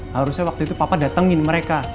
harusnya waktu itu papa datengin mereka